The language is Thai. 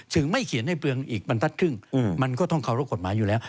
ไม่เขียนให้เปลืองอีกบรรทัศครึ่งมันก็ต้องเคารพกฎหมายอยู่แล้ว